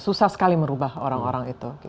susah sekali merubah orang orang itu